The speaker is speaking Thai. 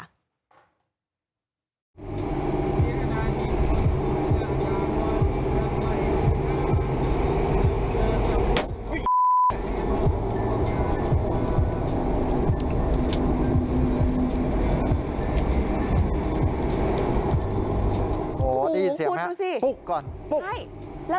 โอ้โหได้ยินเสียงไหมครับปุ๊กก่อนปุ๊กใช่